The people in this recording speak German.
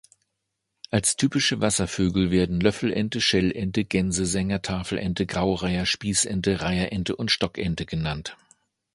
Als typische Wasservögel werden Löffelente, Schellente, Gänsesäger, Tafelente, Graureiher, Spießente, Reiherente und Stockente genannt.